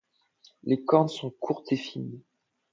Les cornes sont courtes et fines.